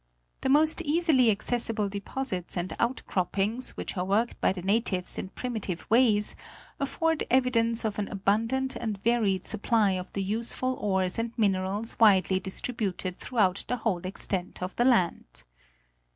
The most easily accessible deposits and out croppings, which are worked by the natives in primitive ways, afford evi dence of an abundant and varied supply of the useful ores and minerals widely distributed throughout the whole extent of the land.